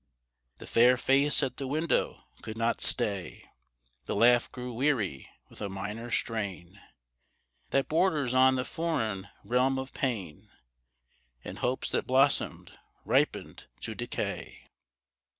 The fair face at the window could not stay; The laugh grew weary, with a minor strain That borders on the foreign realm of pain, And hopes that blossomed, ripened to decay.